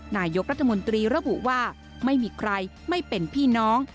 นายกรัฐมนตรีระบุว่าไม่มีใครไม่เป็นพี่น้อง